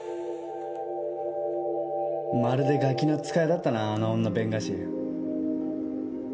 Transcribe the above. まるでガキの使いだったなあの女弁護士。